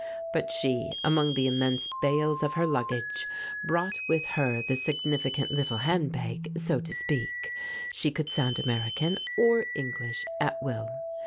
But she, among the immense bales of her luggage, brought with her this significant little handbag, so to speak : she could sound American or English at will.